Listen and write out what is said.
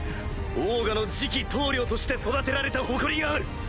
オーガの次期頭領として育てられた誇りがある！